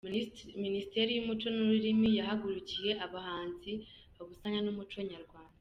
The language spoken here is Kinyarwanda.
Minisiteri yumuco nururimi yahagurukiye abahanzi babusanya n’umuco nyarwanda